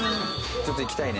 ちょっと行きたいね。